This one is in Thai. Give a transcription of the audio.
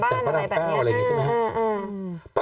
กล้องกว้างอย่างเดียว